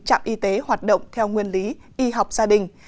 trạm y tế hoạt động theo nguyên lý y học gia đình